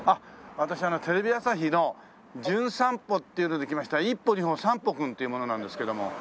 私テレビ朝日の『じゅん散歩』っていうので来ました１歩２歩３歩くんっていう者なんですけども。